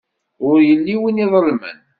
Ur yelli win iḍelmen.